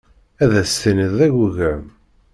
Ad as-tiniḍ d agugam.